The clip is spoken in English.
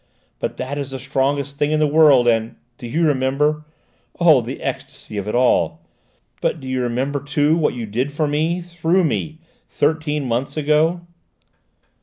But that is the strongest thing in the world: and do you remember? Oh, the ecstasy of it all! But, do you remember too what you did for me through me thirteen months ago?"